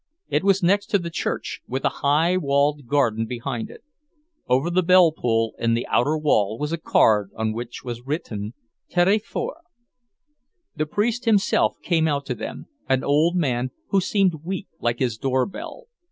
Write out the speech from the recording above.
It was next the church, with a high walled garden behind it. Over the bell pull in the outer wall was a card on which was written, "Tirez fort." The priest himself came out to them, an old man who seemed weak like his doorbell.